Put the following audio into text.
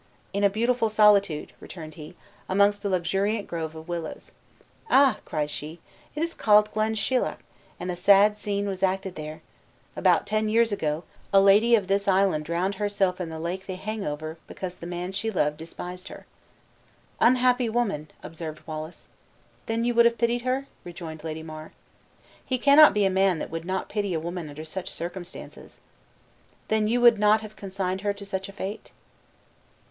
"In a beautiful solitude," returned he, "amongst a luxuriant grove of willows." "Ah!" cried she, "it is called Glenshealeach, and a sad scene was acted there! About ten years ago, a lady of this island drowned herself in the lake they hang over, because the man she loved despised her." "Unhappy woman!" observed Wallace. "Then you would have pitied her?" rejoined Lady Mar. "He cannot be a man that would not pity a woman under such circumstances." "Then you would not have consigned her to such a fate?"